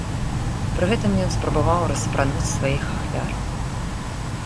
Пры гэтым ён спрабаваў распрануць сваіх ахвяраў.